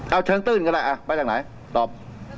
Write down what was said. เอาชั้นตื่นก็ได้อ่ะไปจากไหนตอบ